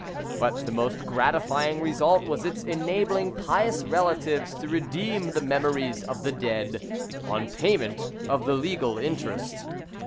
But the most gratifying result was its enabling pious relatives to redeem the memories of the dead, on payment of the legal interest.